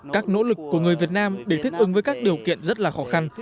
các nỗ lực của người việt nam để thích ứng với các điều kiện rất là khó khăn